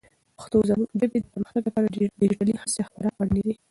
د پښتو ژبې د پرمختګ لپاره ډیجیټلي هڅې خورا اړینې دي.